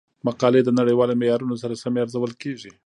مقالې د نړیوالو معیارونو سره سمې ارزول کیږي.